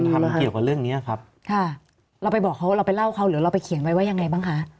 ทำเกี่ยวกับเรื่องเนี้ยครับค่ะเราไปบอกเขาเราไปเล่าเขาหรือเราไปเขียนไว้ว่ายังไงบ้างคะ